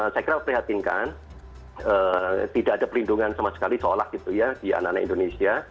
saya kira prihatinkan tidak ada perlindungan sama sekali seolah gitu ya di anak anak indonesia